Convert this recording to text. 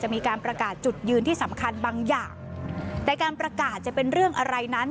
มีการประกาศจุดยืนที่สำคัญบางอย่างแต่การประกาศจะเป็นเรื่องอะไรนั้น